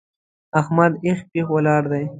احمد هېښ پېښ ولاړ دی!